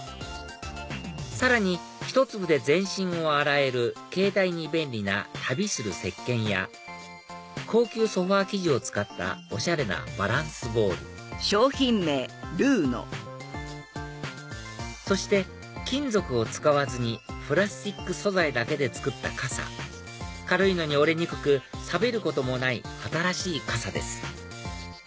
さらにひと粒で全身を洗える携帯に便利な旅する石鹸や高級ソファ生地を使ったおしゃれなバランスボールそして金属を使わずにプラスチック素材だけで作った傘軽いのに折れにくくさびることもない新しい傘です